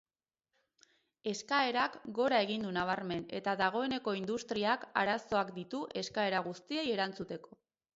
Eskaerak gorea egin du nabarmen eta dagoeneko industriak arazoak ditu eskaera guztiei erantzuteko.